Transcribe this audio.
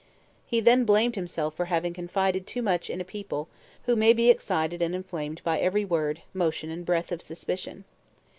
He then blamed himself for having confided too much in a people who may be excited and inflamed by every word, motion, and breath of suspicion.